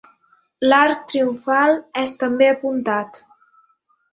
L'arc triomfal és també apuntat.